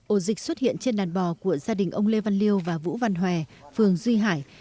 ổ dịch xuất hiện trên đàn bò của gia đình ông lê văn liêu và vũ văn hòe phường duy hải